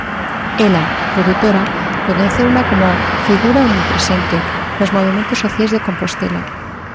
Ela, produtora, coñeceuna como "figura omnipresente" nos movementos sociais de Compostela.